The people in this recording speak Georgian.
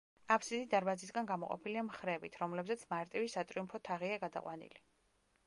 აფსიდი დარბაზისგან გამოყოფილია მხრებით, რომლებზეც მარტივი სატრიუმფო თაღია გადაყვანილი.